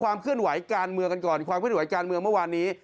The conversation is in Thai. เคลื่อนไหวการเมืองกันก่อนความเคลื่อนไหวการเมืองเมื่อวานนี้